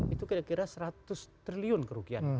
itu kira kira seratus triliun kerugian